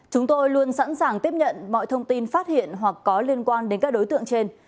chúng tôi luôn sẵn sàng tiếp nhận mọi thông tin phát hiện hoặc có liên quan đến các đối tượng trên